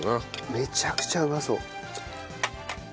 めちゃくちゃうまそう。